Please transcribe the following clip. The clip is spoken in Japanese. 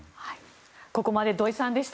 ここまで土井さんでした。